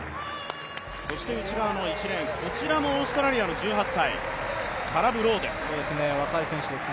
内側の１レーン、こちらもオーストラリアの１８歳、カラブ・ローです。